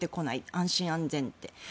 安心安全って。